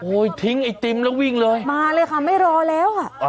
ทิ้งไอติมแล้ววิ่งเลยมาเลยค่ะไม่รอแล้วอ่ะ